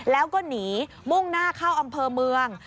แล้วก็หนีมุ่งหน้าเข้าอำเภอเมือง